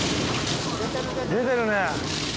出てるね。